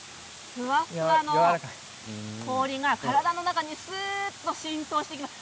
ふわふわの氷が体の中に浸透していきます。